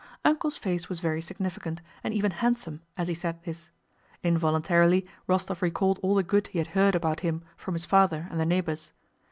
"Uncle's" face was very significant and even handsome as he said this. Involuntarily Rostóv recalled all the good he had heard about him from his father and the neighbors.